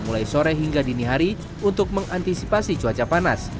mulai sore hingga dini hari untuk mengantisipasi cuaca panas